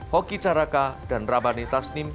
hoki caraka dan rabani tasnim